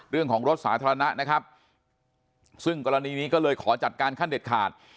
รถสาธารณะนะครับซึ่งกรณีนี้ก็เลยขอจัดการขั้นเด็ดขาด